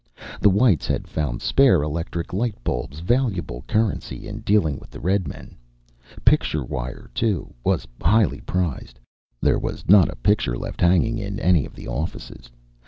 The whites had found spare electric light bulbs valuable currency in dealing with the redmen. Picture wire, too, was highly prized. There was not a picture left hanging in any of the offices.